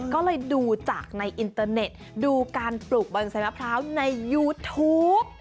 ก็เลยดูจากในอินเตอร์เน็ตดูการปลูกบอนไซมะพร้าวในยูทูป